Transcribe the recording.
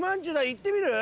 行ってみる？